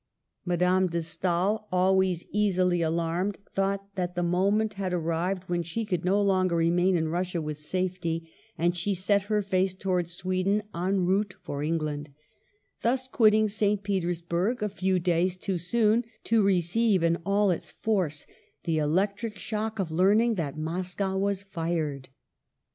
Madame de Stael, always easily alarmed, thought that the moment had arrived when she could no longer remain in Russia with safety, and she set her face towards Sweden, en route 'for England ; thus quitting St. Petersburg a few days too soon to receive in all its force the electric shock of learning that Moscow was fired.